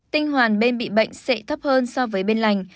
tinh hoàn bên bị bệnh sệ thấp hơn so với bên lành